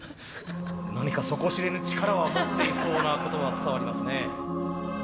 何か底知れぬ力は持っていそうなことは伝わりますね。